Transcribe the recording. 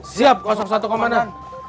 siap satu komandan